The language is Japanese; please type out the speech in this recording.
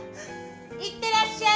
いってらっしゃい！